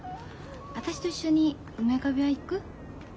私と一緒に梅若部屋行く？